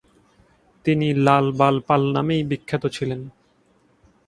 তিনি লাল-বাল-পাল নামেই বিখ্যাত ছিলেন।